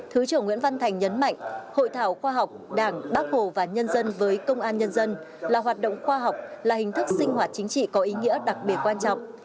thứ trưởng nguyễn văn thành nhấn mạnh hội thảo khoa học đảng bác hồ và nhân dân với công an nhân dân là hoạt động khoa học là hình thức sinh hoạt chính trị có ý nghĩa đặc biệt quan trọng